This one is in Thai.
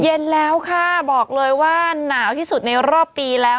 เย็นแล้วค่ะบอกเลยว่าหนาวที่สุดในรอบปีแล้ว